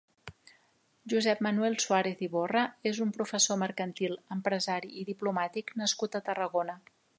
Josep Manuel Suàrez Iborra és un professor mercantil, empresari i diplomàtic nascut a Tarragona.